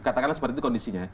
katakanlah seperti itu kondisinya